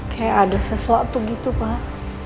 kayak ada sesuatu gitu pak